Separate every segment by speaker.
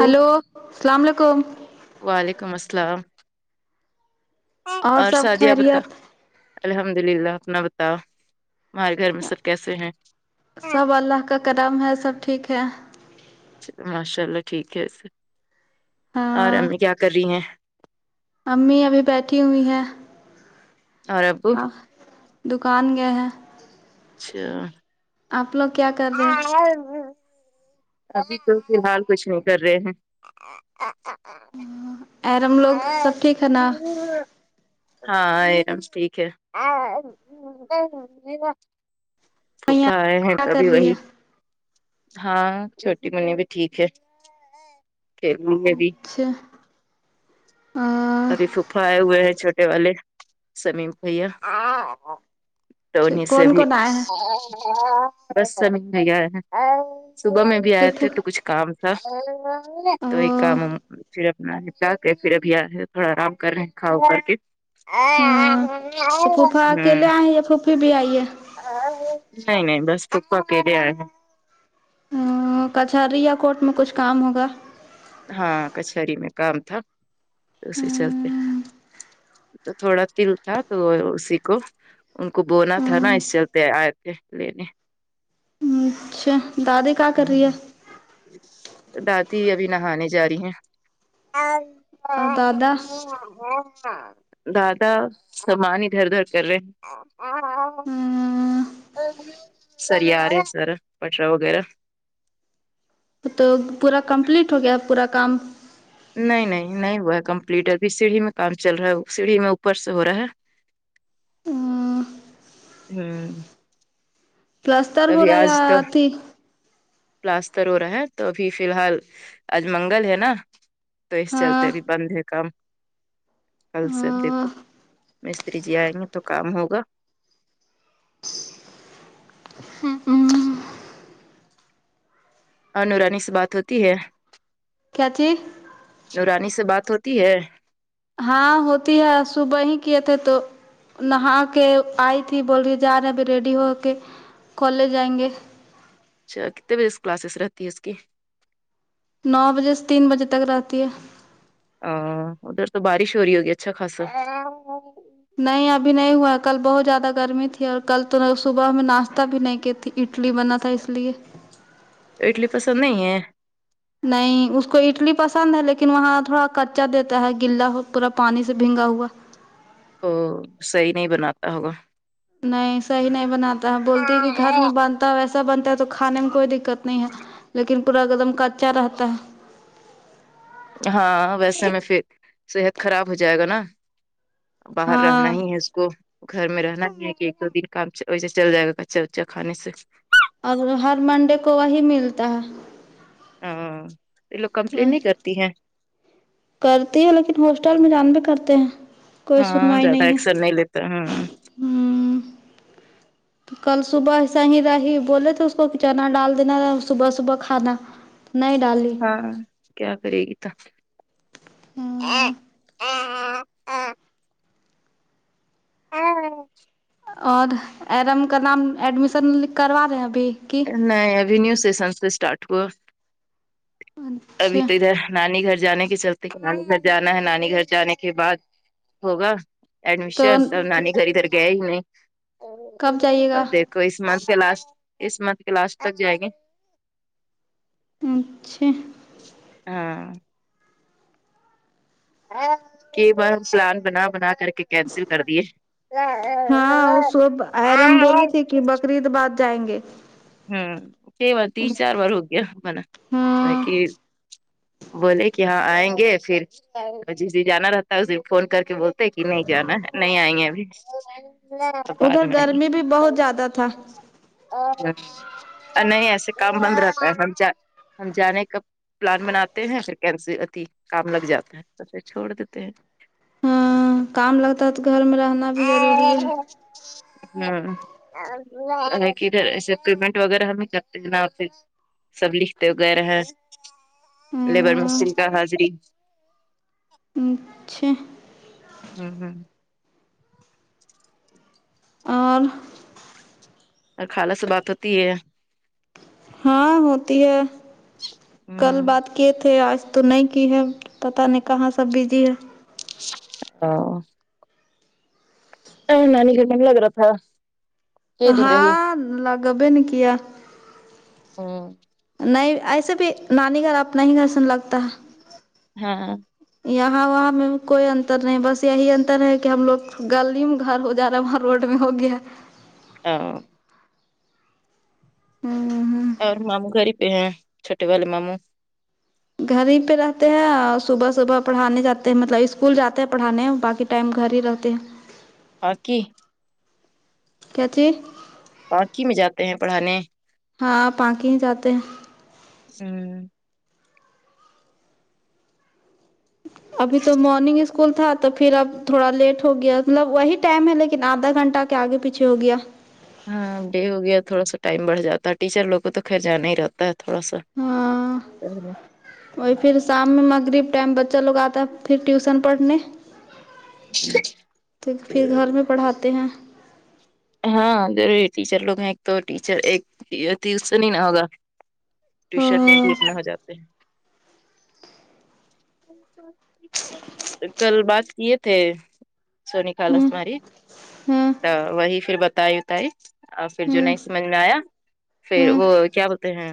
Speaker 1: Hello السلام علیکم
Speaker 2: وعلیکم السلام اور
Speaker 1: سب
Speaker 2: سعدیہ بتا
Speaker 1: خیریت
Speaker 2: الحمد للہ اپنا بتاؤ تمہارے گھر میں سب کیسے ہیں چلو،
Speaker 1: سب اللہ کا کرم ہے سب ٹھیک ہے
Speaker 2: ماشاء اللہ ٹھیک ہے اور
Speaker 1: ہاں
Speaker 2: امی کیا کر رہی ہیں
Speaker 1: امی ابھی بیٹھی ہوئی ہے
Speaker 2: اور ابو
Speaker 1: آ دکان گئے ہیں
Speaker 2: اچھا
Speaker 1: آپ لوگ کیا کر رہے
Speaker 2: [unintelligible] ابھی تو فی الحال کچھ نہیں کر رہے ہیں
Speaker 1: عارم لوگ سب ٹھیک ہے نا
Speaker 2: ہاں ایک دم ٹھیک ہے پوپا آئے ہیں
Speaker 1: کیا کر
Speaker 2: تبھی
Speaker 1: رہی
Speaker 2: وہی
Speaker 1: ہے
Speaker 2: ہاں چھوٹی منی بھی ٹھیک ہے پر منی بھی
Speaker 1: اچھا
Speaker 2: ابھی پھو پھا آئے ہوئے ہیں چھوٹے والے سلیم بھیا تو انہیں سے
Speaker 1: کون
Speaker 2: بھی
Speaker 1: کون آئے ہیں
Speaker 2: بس سلیم بھیاآیے تھے صبح میں بھی آئے
Speaker 1: صرف
Speaker 2: تھے تو کچھ کام تھا تو یہ کام پھر اپناتا پھر اب یا ہے تھوڑا آرام کر رہے ہیں کھاو کر کے
Speaker 1: ہاں تو پھوفا اکیلے آئے یا پھفی بھی آئی ہے
Speaker 2: نہیں نہیں بس پوفا کے اکیلے آیے ہے
Speaker 1: ہاں کچہیری یا کورٹ میں کچھ کام ہوگا
Speaker 2: ہاں کچہیری میں کام تھا اسی چلتے تو تھوڑا تل تھا تو اسی کو ان کو بولا تھا نا اس چلتے آئے تھے لینے
Speaker 1: امم اچھا دادی کا کر
Speaker 2: ہوں،
Speaker 1: رہی ہے
Speaker 2: دادی ابھی نہانے جا رہی ہیں ہاں
Speaker 1: اور
Speaker 2: ہاں
Speaker 1: دادا
Speaker 2: [unintelligible] دادا سامان ادھر ادھر کر رہے ہیں سر یار ہیں ہے اسطرف کچرا وغیرہ
Speaker 1: تو پورا کمپلیٹ ہو گیا پورا کام
Speaker 2: نہیں نہیں نہیں وہا ہے کمپلیٹ ہے ابھی سیڑھی میں کام چل رہا ہے سیڑھی میں اوپر سے ہو رہا ہے امم
Speaker 1: پلستر ہو رہا یا ا تھی
Speaker 2: پلاستر ہو رہا ہے تو ابھی فی الحال آج منگل ہے نا تو اس
Speaker 1: ہاں
Speaker 2: چلتےبھی بند ہے کام کل سے اب دیکھو میستری جی آئیں گے تو کام ہوگا انورانی سے بات ہوتی ہے
Speaker 1: کیاچی
Speaker 2: دیورانی سے بات ہوتی ہے
Speaker 1: ہاں ہوتی ہے آج صبح ہی کیے تھے تو نہا کے آئی تھی بول رہی جا رہے ابھی ریڈی ہو کے کالج جائیں گے
Speaker 2: اچھا کتنے بجے سے کلاسیز رہتی ہے اس کی
Speaker 1: نو بجے سے تین بجے تک رہتی ہے
Speaker 2: ہاں ادھر تو بارش ہو رہی ہوگی اچھا خاصہ
Speaker 1: نہیں ابھی نہیں ہوا کل بہت زیادہ گرمی تھی اور کل توگ صبح میں ناشتہ بھی نہیں کی تھی اڈلی بنا تھا اس لیے
Speaker 2: تو اڈلی پسند نہیں ہے
Speaker 1: نہیں اس کو اڈلی پسند ہے لیکن وہاں تھوڑا کچا دیتا ہے گلا ہو پورا پانی سے بھینگا ہوا
Speaker 2: اور صحیح نہیں بناتا ہوگا
Speaker 1: نہیں صحیح نہیں بناتا ہے بولتی ہے کہ گھر میں بنتا ویسا بنتا ہے تو کھانے میں کوئی دقت نہیں ہے لیکن پورا ایک دم کچا رہتا ہے
Speaker 2: ہاں ویسے میں پھر صحت خراب ہو جائے گا نا باہر رہنا
Speaker 1: ہاں
Speaker 2: ہی ہے اس کو گھر میں رہنا ہی ہے کہ ایک دو دن کام ویسے چل جائے گا کچا وچا کھانے سے
Speaker 1: اور ہر منڈے کو وہی ملتا ہے
Speaker 2: ہاں یہ لوگ
Speaker 1: تو
Speaker 2: کمپلین
Speaker 1: وہی
Speaker 2: نہیں کرتی ہیں
Speaker 1: کرتی ہے لیکن ہاسٹل میں جان بھی کرتے ہیں کوئی
Speaker 2: ہاں
Speaker 1: سنوائی
Speaker 2: زیادہ
Speaker 1: ہے
Speaker 2: ایکسن نہیں لیتا ہوں
Speaker 1: ہوں کل صبح ایسے ہی رہی بولے تو اس کو چنا ڈال دینا صبح صبح کھانا نہیں ڈالی
Speaker 2: ہاں کیا کرے گی تو ہاں ہاں
Speaker 1: اور ارم کا نام ایڈمیشن کروا رہے ہیں ابھی کی
Speaker 2: نہیں ابھی نیو سیشن سے اسٹارٹ ہوا ہے ابھی
Speaker 1: اچھا
Speaker 2: تو ادھر نانی گھر جانے کے چلتے نانی گھر جانا ہے نانی گھر جانے کے بعد ہوگا
Speaker 1: تو
Speaker 2: ایڈمیشن سب نانی گھر ادھر گئے ہی میں
Speaker 1: کب جائیے گا
Speaker 2: اب دیک تو اس منتھ کے لاسٹ اس منتھ کے لاسٹ تک جائے گے
Speaker 1: اچھا
Speaker 2: ہاں کہ ب سلان بنا بنا کر کے کینسل کر دیے
Speaker 1: ہاں فرید آباد جائ گے
Speaker 2: ہوں کئی بار تین
Speaker 1: اس
Speaker 2: چار بار ہو گیا منا میںنے
Speaker 1: ہاں
Speaker 2: کہ بولے کہ یہاں آئیں گے پھر جس دے جانا رہتا ہے اس فون کر کے بول کی نہیں جانا نہیں آئی ہیں ابھی اب بعد
Speaker 1: ادھر
Speaker 2: میں آئیں گے
Speaker 1: گرمی بھی بہت زیادہ تھا
Speaker 2: نہیں ایسے کام بند رہتا ہے ہم ہم جانے کا پلان بناتے ہیں پھر کیسے اتی کام لگ جاتا ہے پے چھوڑ دیتے ہیں
Speaker 1: ہاں کام لگتا ہے تو گھر میں رہنا بھی ضروری ہے
Speaker 2: ہاں ادھر ایسے پیمنٹ وغیرہ ہمیں کرتے نا آ پھر سب لکھتے وغیرہ ہے لیبر
Speaker 1: ہاں
Speaker 2: مستری کا حاضری
Speaker 1: اچھا
Speaker 2: ہوں ہوں
Speaker 1: اور
Speaker 2: اور خالہ سے بات ہوتی ہے
Speaker 1: ہاں ہوتی ہے کل
Speaker 2: ہوں
Speaker 1: بات کیے تھے آج تو نہیں کی ہے پتہ نہیں کہاں سب بزی ہے
Speaker 2: ا نان گ من لگر تھاا
Speaker 1: ہاں لگبھی نے کیا
Speaker 2: ہوں
Speaker 1: نہیں ایسے بھی نانی گھر اپنا ہی گسن لگتا ہے
Speaker 2: ہاں
Speaker 1: یہاں وہاں میں کوئی انتر نہیں بس یہی انتر ہے کہ ہم لوگ گلی میں گھر ہو جا رہا ہےاں روڈ بھی ہوگیا ہے
Speaker 2: ہاں
Speaker 1: ہوں ہاں
Speaker 2: اور ماموں گھر ہی پہ ہیں چھوٹے والے ماموں
Speaker 1: گھر ہی پہ رہتے ہیں صبح صبح پڑھانے جاتے ہیں مطلب اسکول جاتے ہیں پڑھانے میں باقی ٹائم گھر ہی رہتے ہیں
Speaker 2: باقی
Speaker 1: کیا جی
Speaker 2: پارکھی میں جاتے ہیں پڑھانے
Speaker 1: ہاں پاکئنگ جاتے
Speaker 2: ہمم
Speaker 1: ابھی تو مارننگ اس اسکول تھا تو پھر اب تھوڑا لیٹ ہو گیا مطلب وہی ٹائم ہے لیکن آدھا گھنٹہ کیا آگے پیچھے ہو گیا
Speaker 2: ہاں ڈے ہو گیا تھوڑا سا ٹائم بڑھ جاتا ہے ٹیچر لوگ کو تو خیر جانا ہی رہتا ہے تھوڑا سا
Speaker 1: ہاں وہی پھر شام میں مغرب ٹائم بچہ لوگ آتا ہے پھر ٹیوشن پڑھنے تو پھر گھر میں پڑھاتے ہیں
Speaker 2: ہاں ر ٹیچر لوگ ہیں ایک تو ٹیچر ایک اس سے ہی نہ ہوگا ٹیوشن میں
Speaker 1: ہاں
Speaker 2: بھی اپنا ہو جاتے ہیں کل بات کیے تھے سونی کالس
Speaker 1: ہوں
Speaker 2: تماری
Speaker 1: ہوں
Speaker 2: تو وہی پھر بتائی اتائی اور پھر
Speaker 1: ہوں
Speaker 2: جنید سے ملنے آیا پھر
Speaker 1: ہوں
Speaker 2: وہ کیا بولتے ہیں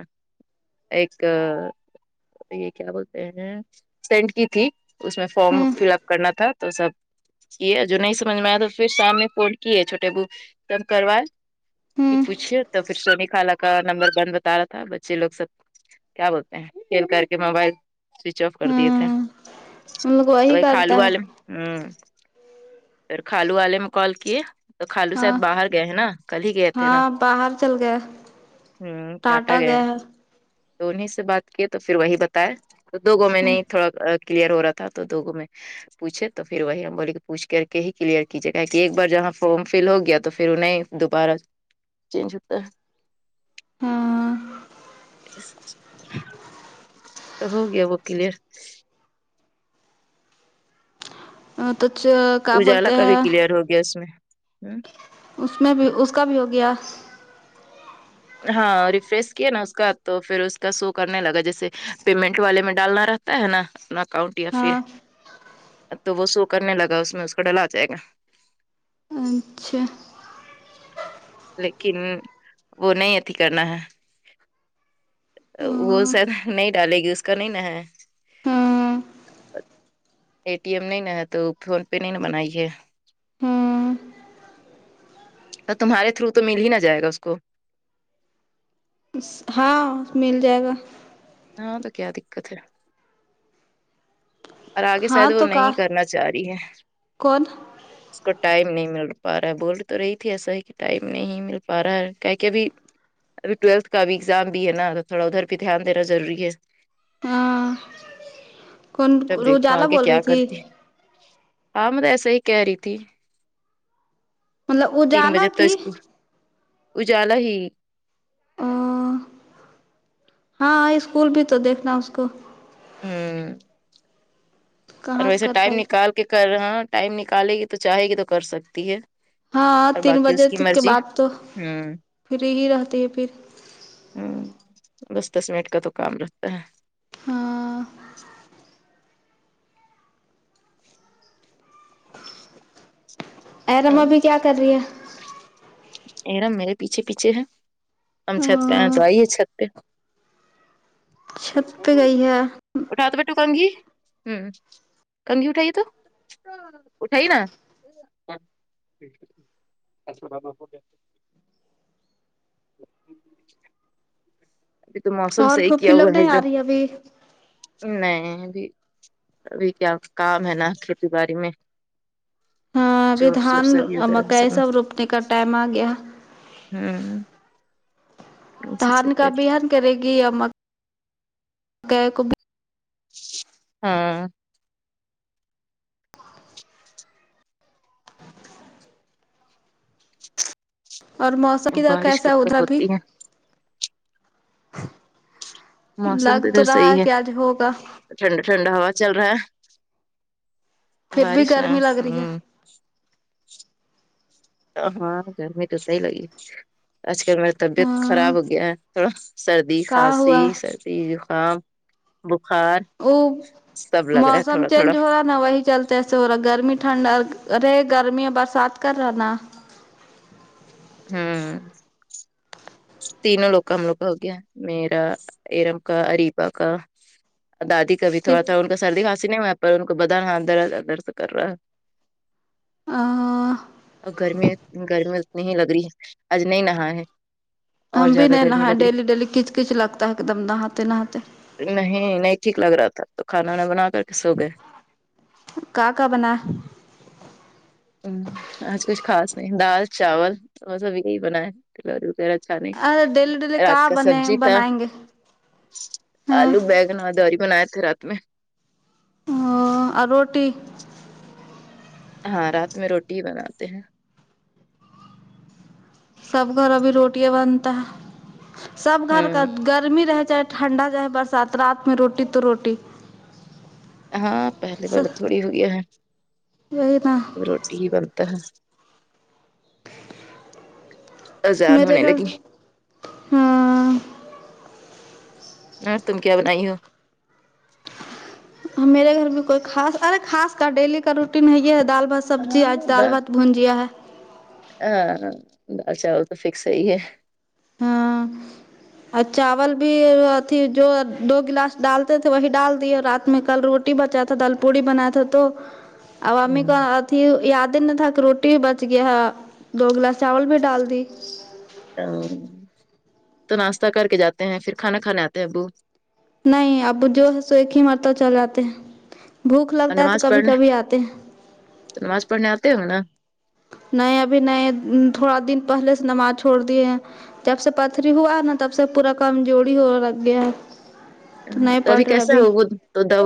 Speaker 2: ایک یہ کیا بولتے ہیں سینڈ کی تھی اس میں فارم
Speaker 1: ہوں
Speaker 2: فل اپ کرنا تھا تو سب یہ جو نہیں سمجھ میں آیا تو پھر شام میں فون کیے چھوٹے ابو تب کروائے
Speaker 1: ہوں
Speaker 2: پوچھیے تو پھر سونی خالا کا نمبر بن بتا رہا تھا بچے لوگ سب کیا بتاۓ پھر کر کے موبائل سوئچ آف کر دیے تھے
Speaker 1: ہوں ان لوگ
Speaker 2: تو
Speaker 1: وہی
Speaker 2: کالو
Speaker 1: کرتا ہے
Speaker 2: والے ھممم پھر کالو والے نے کال کیے تو خالو شاید
Speaker 1: ہاں
Speaker 2: باہر گئے ہیں نہ کل ہی گئے تھے نا
Speaker 1: ہاں باہر چل گیا
Speaker 2: ہممم چاٹا گیا ہے تو انہیں سے بات کیے تو پھر وہی بتاائے تو دوگو میں نے تھوڑا کلیئر ہو رہا تھا تو دوگوں میں پوچھے تو پھر وہی ہم بولے کہ پوچھ کر کے ہی کلیئر کییے گا کہ ایک بار جہاں فام فل ہو گیا تو پھر نہیں دوبارہ چینج ہوتا ہے
Speaker 1: ہاں
Speaker 2: تو ہو گیا وہ کلیر
Speaker 1: ہاں تو چپ
Speaker 2: اجالا کا بھی کلیئر ہو گیا اس میں
Speaker 1: اس میں بھی اس کا بھی ہو گیا
Speaker 2: ہاں ریفریش کیا نا اس کا تو پھر اس کا شو کرنے لگا جیسے پیمنٹ والے میں ڈالنا رہتا ہے نہ اپنا اکاؤنٹ یا پھر
Speaker 1: ہاں
Speaker 2: تو وہ شو کرنے لگا اس میں اس کو ڈلا جائے گا
Speaker 1: اچھا
Speaker 2: لیکن وہ نہیں اتیھی کرنا ہے وہ
Speaker 1: ہاں
Speaker 2: سر نہیں ڈالے گی اس کا نہیں ہے
Speaker 1: ہاں
Speaker 2: اے ٹی ایم نہیں نہ ہے تو فون پے نہیں نہ بنائی ہے تو تمہارے تھرو تو مل ہی نہ جائے گا اس کو
Speaker 1: ہاں مل جائے گا
Speaker 2: ہاں تو کیا دققت ہے اور آگے
Speaker 1: ہاں
Speaker 2: شاید وہ
Speaker 1: تو کا
Speaker 2: نہیں کرنا چاہ رہی ہے
Speaker 1: کون
Speaker 2: اس کو ٹائم نہیں مل پا رہا ہے بول تو رہی تھی ایسا ہی کہ ٹائم نہیں مل پا رہا ہے کیا کہ ابھی اب کلاس کا بھی اگزام بھی ہے نا تو تھوا ادھر بھی دھیان دینا روری ہے
Speaker 1: ہاں کون
Speaker 2: تب دیکھو
Speaker 1: اجالا
Speaker 2: آگے
Speaker 1: بول رہی
Speaker 2: کیا
Speaker 1: تھی
Speaker 2: کرتی ہے۔ ہاں میں ایسے ہی کہہ رہی تھی
Speaker 1: مطلب
Speaker 2: تین
Speaker 1: اجالا
Speaker 2: بجے ٹیسٹ کی اجالا ہی
Speaker 1: او ہاں اسکول بھی تو دیکھنا اس کو
Speaker 2: ہمم اور
Speaker 1: کہاں سے
Speaker 2: ویسے
Speaker 1: کر
Speaker 2: ٹائم
Speaker 1: پائے گی
Speaker 2: نکال کے کر رہا ٹائم نکالے گی تو چاہے گی تو کر سکتی ہے
Speaker 1: ہاں
Speaker 2: اور
Speaker 1: تین
Speaker 2: باقی
Speaker 1: بجے
Speaker 2: اس کی
Speaker 1: کے
Speaker 2: مرضی
Speaker 1: بعد تو
Speaker 2: ہوں
Speaker 1: فری ہی رہتی ہے پھر
Speaker 2: ہوں بس دس منٹ کا تو کام رہتا ہے
Speaker 1: ہاں ارم
Speaker 2: ہے
Speaker 1: ابھی کیا کر رہی ہے
Speaker 2: ارام میرے پیچھے پیچھے ہے ہم چھت پہ آ تو آئی ہے چھت پہ
Speaker 1: چھت پہ گئی ہے
Speaker 2: [unintelligible] اٹھا تو بیٹو کنگھی ہ کنگھی اٹھائیے تو اٹھائی نا [unintelligible] ابھی تو موسم
Speaker 1: اور
Speaker 2: صحیح کیا
Speaker 1: پھوپھی لوگ
Speaker 2: ہوا ہے
Speaker 1: نہیں
Speaker 2: ایک
Speaker 1: آ
Speaker 2: دم
Speaker 1: رہی ابھی
Speaker 2: نہیں ابھی ابھی کیا کام ہے نا کھیتی باڑی میں
Speaker 1: ہاں ابھی
Speaker 2: چور سور
Speaker 1: دھان
Speaker 2: سبھی ادھر ہے
Speaker 1: مکئی سب روپنے کا ٹائم آ گیا
Speaker 2: ہوں
Speaker 1: ابھیان کرے گی اما گائے کو بھی
Speaker 2: ہاں
Speaker 1: اور موسم کی طرح
Speaker 2: بارش
Speaker 1: کیسا
Speaker 2: کب تک
Speaker 1: ہوتا بھی
Speaker 2: ہوتی ہے موسم
Speaker 1: لگ
Speaker 2: تو ادھر
Speaker 1: رہا
Speaker 2: صحیح ہے
Speaker 1: کہ آج ہوگا
Speaker 2: ٹھنڈا ٹھنڈا ہوا چل رہا ہے
Speaker 1: پھر بھی
Speaker 2: بارش نہ
Speaker 1: گرمی لگ رہی ہے
Speaker 2: ہوں ہاں گرمی تو صحیح لگی آج کل ما طبیعت خراب
Speaker 1: ہاں
Speaker 2: ہو گیا ہے تھوڑا سردی
Speaker 1: کا
Speaker 2: کھانسی
Speaker 1: ہوا
Speaker 2: سردی زکام بخار
Speaker 1: وہ
Speaker 2: سب لگ رہا ہے
Speaker 1: موسم
Speaker 2: تھوڑا تھوڑا
Speaker 1: چینج ہو رہا نہا وہی چلتا توسے ہو رہا ہے گرمی ٹھنڈ رہے گرمی برسات کر رہا نا
Speaker 2: ہمم تینوں لوگ کا ہم لوگ کا ہو گیا میرا ایرم کا اریبا کا دادی کا بھی تھوڑا
Speaker 1: صرف
Speaker 2: تھوڑا تھا ان کا سردی خانسی نہیں ہوا پر ان کو بدااں اندر اندر سے کر رہا ہے
Speaker 1: [inaudible]
Speaker 2: اور گرمی گرمی اتنی ہی لگ رہی ہے آج نہیں نہا ہے اور
Speaker 1: ہم بھی
Speaker 2: زیادہ
Speaker 1: نہیں
Speaker 2: گرمی
Speaker 1: نہ
Speaker 2: لگ
Speaker 1: ڈیلی
Speaker 2: رہی
Speaker 1: ڈیلی کچ کچ لگتا ہے ایک دم نہاتے نہاتے
Speaker 2: نہیں نہیں ٹھیک لگ رہا تھا تو کھانا میں بنا کر کے سو گئے
Speaker 1: کا کا بنا
Speaker 2: ہ آج کچھ خاص نہیں دال چاول وہ سب یہی بنائے تلوری وغیرہ نہیں
Speaker 1: ارے ڈیلی ڈیلی
Speaker 2: رات کا
Speaker 1: بنے
Speaker 2: سبزی تھا
Speaker 1: بنائیں گے ہاں
Speaker 2: آلو بیگ نداری بناائے تھے رات میں
Speaker 1: ا روٹی
Speaker 2: ہاں رات میں روٹی ہی بناتے ہیں
Speaker 1: سب گھر ابھی روٹی بنتا ہے سب گھر کا
Speaker 2: ہوں
Speaker 1: گرمی رہے چاہے ٹھنڈا چاہے برسات رات میں روٹی تو روٹی
Speaker 2: ہاں پہلے والا تھوڑی ہو گیا ہے
Speaker 1: یہی نا
Speaker 2: روٹی ہی بنتا ہے اذان
Speaker 1: میرے
Speaker 2: ہونے
Speaker 1: گھر
Speaker 2: لگی
Speaker 1: ہاں
Speaker 2: اور تم کیا بنائی ہو
Speaker 1: میرے گھر میں کوئی خاص ارے خاص کا ڈیلی کا روٹین یہی ہے دال بس سبزی
Speaker 2: ہاں
Speaker 1: آج دال بت بونجیا ہے
Speaker 2: ہاں دال چاول تو فکس وہی ہے
Speaker 1: ہاں اور چاول بھی جو دو گلاس ڈالتے تھے وہی ڈال دیے رات میں کل رو ٹی بچا تھا دال پوڑی بنایا تھا تو اوامی کا ت یادن تھا کہ روٹی بھی بچ گیا دو گلاس چاول بھی ڈال دی
Speaker 2: ہمم تو ناشتہ کر کے جاتے ہیں پھر کھانا کھانے آتے ہیں ابو
Speaker 1: نہیں اب جو ہے سو ہی مرتا چل آے بھوک
Speaker 2: اور
Speaker 1: لگتا ہے تو
Speaker 2: نماز
Speaker 1: کبھی
Speaker 2: پڑھنے
Speaker 1: کبھی آتے
Speaker 2: نماز پڑھنے آتے ہونگے نہ
Speaker 1: نئے ابھی نئے تھوڑا دن پہلے سے نماز چھوڑ دیے ہیں جب سے پتری ہوا نا تب سے پورا کمزوری ہرکھا ہے
Speaker 2: ہ
Speaker 1: نہیں
Speaker 2: تو
Speaker 1: پڑھ
Speaker 2: ابھی
Speaker 1: رہے
Speaker 2: کیسا ہو وہ تو دوا